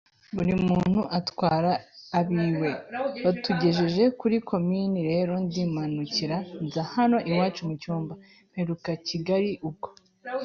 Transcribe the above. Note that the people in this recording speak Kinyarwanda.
Buri muntu atwara ab’iwe…batugejeje kuri Komini rero ndimanukira nza hano iwacu mu Cyumba…mperuka Kigali ubwo